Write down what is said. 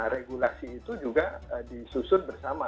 regulasi itu juga disusun bersama